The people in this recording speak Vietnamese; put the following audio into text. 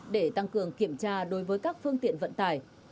để tăng cường kiểm tra đối với các phương tiện vận tải